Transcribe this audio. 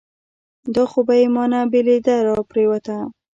دا خو بهٔ چې مانه بېلېده راپرېوته